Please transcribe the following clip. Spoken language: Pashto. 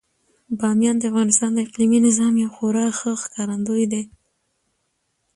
بامیان د افغانستان د اقلیمي نظام یو خورا ښه ښکارندوی دی.